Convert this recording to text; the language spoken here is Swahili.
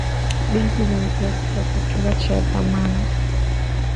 benki zina kiasi cha kutosha cha dhamana